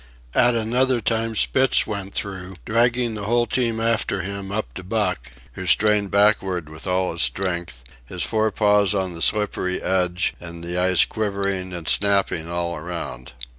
At another time Spitz went through, dragging the whole team after him up to Buck, who strained backward with all his strength, his fore paws on the slippery edge and the ice quivering and snapping all around.